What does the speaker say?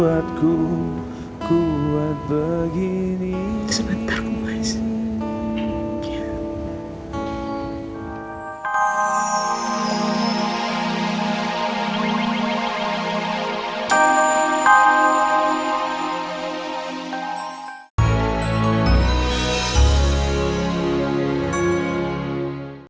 aku akan mencintai kamu sebentar faiz